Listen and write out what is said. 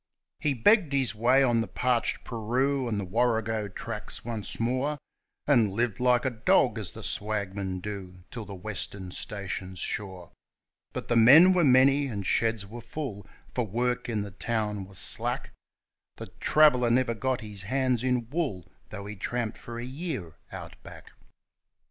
He begged his way on the parched Paroo and the Warrego tracks once more, And lived like a dog, as the swagmen do, till the Western stations shore; But men were many, and sheds were full, for work in the town was slack The traveller never got hands in wool, though he tramped for a year Out Back.